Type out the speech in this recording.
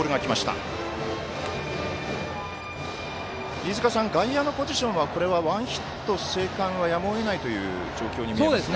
飯塚さん、外野のポジションはこれはワンヒット生還はやむをえないという状況に見えますが。